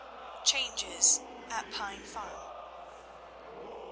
CHANGES AT PINE FARM.